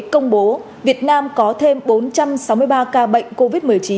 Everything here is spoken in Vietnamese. công bố việt nam có thêm bốn trăm sáu mươi ba ca bệnh covid một mươi chín